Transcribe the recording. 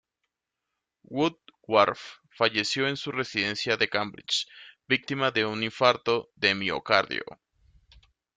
Woodward falleció en su residencia de Cambridge víctima de un infarto de miocardio.